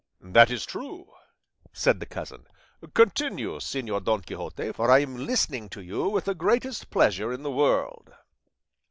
"That is true," said the cousin; "continue, Señor Don Quixote, for I am listening to you with the greatest pleasure in the world."